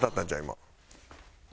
今。